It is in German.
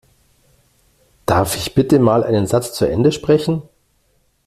Darf ich bitte mal einen Satz zu Ende sprechen?